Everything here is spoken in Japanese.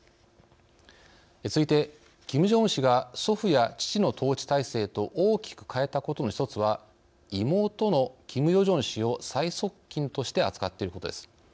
続いて、キム・ジョンウン氏が祖父や父の統治体制と大きく変えたことの一つは妹のキム・ヨジョン氏を最側近として扱っていることです。